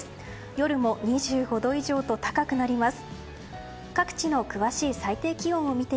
夜も２５度以上と高くなります。